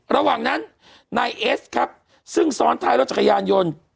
ระหว่างนั้นนายเอสครับซึ่งซ้อนท้ายรถจักรยานยนต์